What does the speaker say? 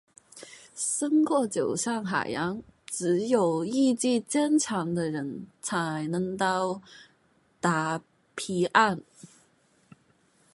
生活就像海洋，只有意志坚强的人，才能到达彼岸。